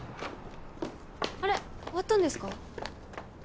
あれ終わったんですか？